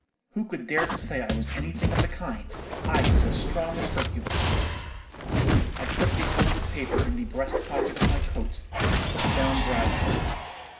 Who could dare to say I was any thing of the kind? I was as strong as Hercules. "I put the folded paper in the breast pocket of my coat, and took down Bradshaw.